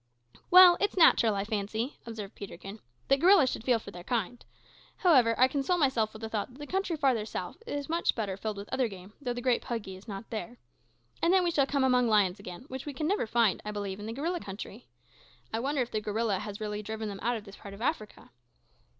"Well, it's natural, I fancy," observed Peterkin, "that gorillas should feel for their kindred. However, I console myself with the thought that the country farther south is much better filled with other game, although the great puggy is not there. And then we shall come among lions again, which we can never find, I believe, in the gorilla country. I wonder if the gorilla has really driven them out of this part of Africa."